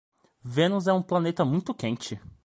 Vênus é um planeta muito quente.